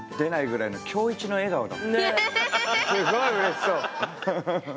すごいうれしそう。